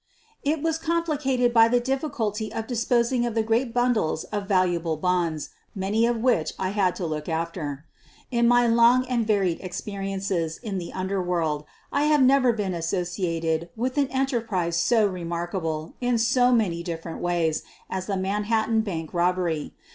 It was complicated by the difficulty of disposing of the great bundles of valuable bonds, many of which I had to look after. In my long and varied experiences in the under world I have never been associated with an enter prise so remarkable in so many different ways as the Manhattan Bank robbery.